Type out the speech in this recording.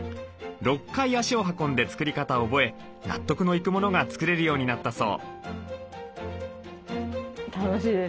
６回足を運んで作り方を覚え納得のいくものが作れるようになったそう。